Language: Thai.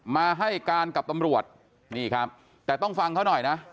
มาให้การกับตำรวจนี่ครับแต่ต้องฟังเขาหน่อยนะ